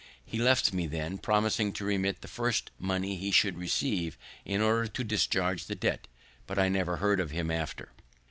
He left me then, promising to remit me the first money he should receive in order to discharge the debt; but I never heard of him after.